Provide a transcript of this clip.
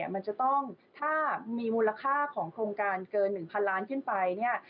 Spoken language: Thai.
มันจะต้องถ้ามีมูลค่าของโครงการเกิน๑๐๐ล้านขึ้นไปเนี่ย